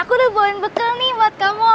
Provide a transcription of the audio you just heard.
aku udah boen bekal nih buat kamu